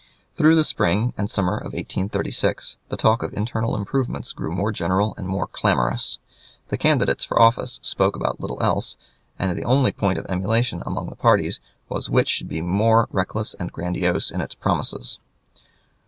Through the spring and summer of 1836 the talk of internal improvements grew more general and more clamorous. The candidates for office spoke about little else, and the only point of emulation among the parties was which should be the more reckless and grandiose in its promises.